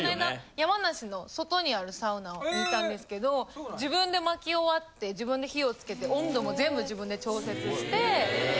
山梨の外にあるサウナに行ったんですけど自分で薪を割って自分で火をつけて温度も全部自分で調節して。へ。